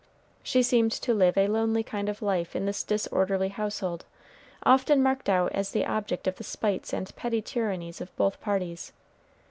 She seemed to live a lonely kind of life in this disorderly household, often marked out as the object of the spites and petty tyrannies of both parties.